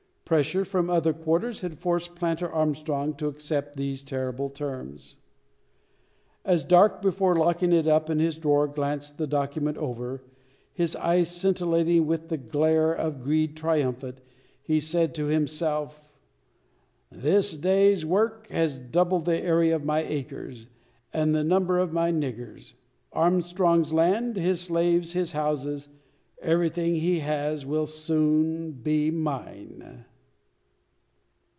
Pressure from other quarters had forced planter Armstrong to accept these terrible terms. As, Darke, before locking it up in his drawer, glanced the document over, his eyes scintillating with the glare of greed triumphant, he said to himself, "This day's work has doubled the area of my acres, and the number of my niggers. Armstrong's land, his slaves, his houses, everything he has, will soon be mine!"